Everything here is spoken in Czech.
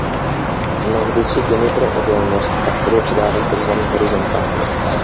Mnohdy si geny pro odolnost bakterie předávají takzvaně horizontálně.